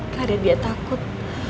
karena dia takut